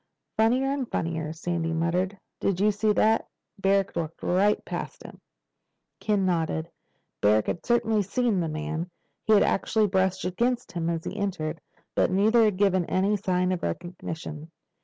"Funnier and funnier," Sandy muttered. "Did you see that? Barrack walked right past him!" Ken nodded. Barrack had certainly seen the man. He had actually brushed against him as he entered. But neither had given any sign of recognition.